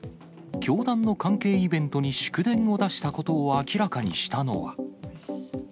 教団の関係イベントに祝電を出したことを明らかにしたのは。